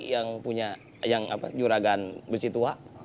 yang punya yang juragan besi tua